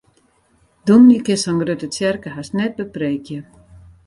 Dominy kin sa'n grutte tsjerke hast net bepreekje.